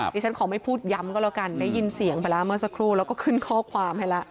ดีฉันขอไม่พูดย้ำก็แล้วกันได้ยินเสียงพวกเราก็ขึ้นข้อความให้และ